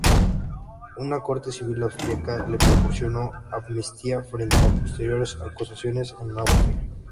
Una corte civil austriaca le proporcionó amnistía frente a posteriores acusaciones en Austria.